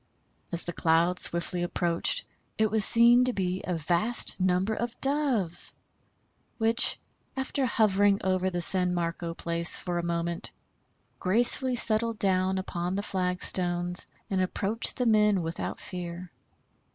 As the cloud swiftly approached it was seen to be a vast number of Doves, which, after hovering over the San Marco Place for a moment, gracefully settled down upon the flagstones and approached the men without fear.